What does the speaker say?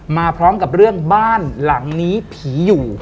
มาพร้อมกับเรื่องบ้านหลังนี้ผีอยู่